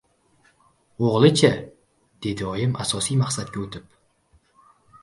— O‘g‘li-chi? — dedi oyim asosiy maqsadga o‘tib.